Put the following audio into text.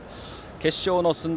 決勝の駿台